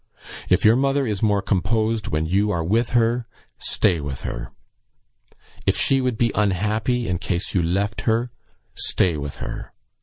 If your mother is more composed when you are with her, stay with her. If she would be unhappy in case you left her, stay with her.